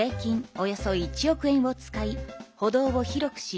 およそ１億円を使い歩道を広くし